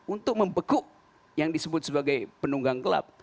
untuk membekuk yang disebut sebagai penunggang gelap